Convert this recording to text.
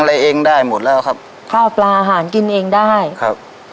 อะไรเองได้หมดแล้วครับข้าวปลาอาหารกินเองได้ครับ